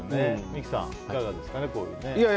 三木さん、いかがですか。